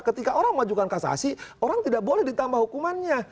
ketika orang mengajukan kasasi orang tidak boleh ditambah hukumannya